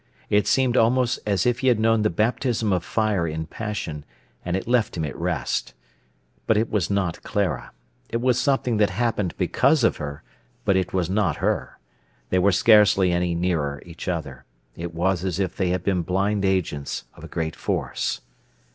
It seemed almost as if he had known the baptism of fire in passion, and it left him at rest. But it was not Clara. It was something that happened because of her, but it was not her. They were scarcely any nearer each other. It was as if they had been blind agents of a great force.